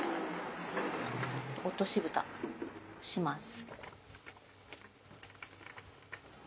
落とし蓋します。